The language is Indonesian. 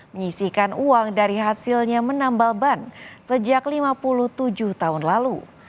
menyisihkan uang dari hasilnya menambal ban sejak lima puluh tujuh tahun lalu